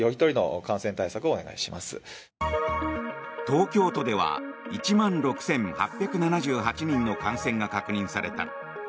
東京都では１万６８７８人の感染が確認された。